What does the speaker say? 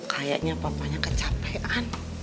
kayaknya papanya kecapean